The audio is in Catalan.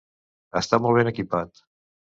Està molt ben equipat.